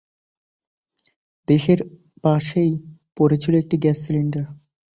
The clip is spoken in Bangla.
দেহের পাশেই পড়ে ছিল একটি গ্যাস সিলিন্ডার।